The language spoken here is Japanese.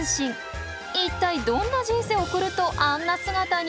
一体どんな人生を送るとあんな姿に。